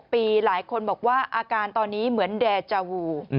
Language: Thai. ปีหลายคนบอกว่าอาการตอนนี้เหมือนแดจาวู